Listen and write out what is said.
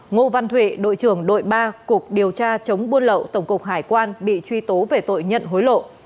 ngô văn thụy đội trưởng đội ba cục điều tra chống buôn lậu tổng cục hải quan bị truy tố về tội nhận hối lộ